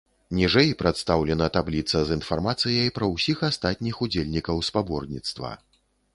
Ніжэй прадстаўлена табліца з інфармацыяй пра ўсіх астатніх удзельнікаў спаборніцтва.